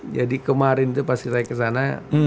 jadi kemarin tuh pas saya kesana